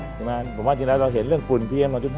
ผมว่าจริงแล้วเราเห็นเรื่องฝุ่นเพียง๒๕